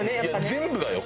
全部がよ。